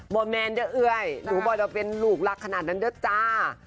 แมนเด้อเอ้ยหนูบอกว่าเป็นลูกรักขนาดนั้นเด้อจ้า